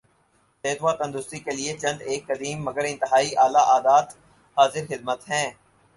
صحت و تندرستی کیلئے چند ایک قدیم مگر انتہائی اعلی عادات حاضر خدمت ہیں